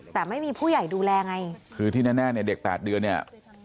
แต่ไม่มีผู้ใหญ่ดูแลไงคือที่แน่เนี่ยเด็กแปดเดือนเนี่ย